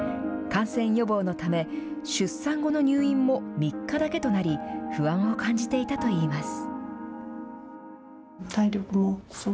感染予防のため、出産後の入院も３日だけとなり、不安を感じていたといいます。